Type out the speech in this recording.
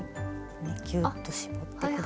ぎゅっと絞って下さい。